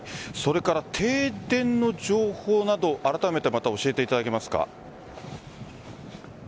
停電の情報などあらためて教えていただけますか。